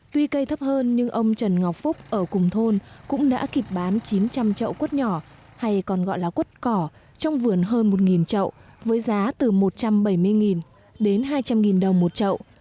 tuy cây thấp hơn nhưng ông trần ngọc phúc ở cùng thôn cũng đã kịp bán chín trăm linh trậu quất nhỏ hay còn gọi là quất cỏ trong vườn hơn một trậu với giá từ một trăm bảy mươi đến hai trăm linh đồng một chậu